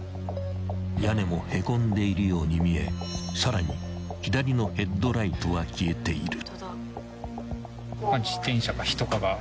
［屋根もへこんでいるように見えさらに左のヘッドライトは消えている］